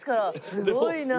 すごいなあ。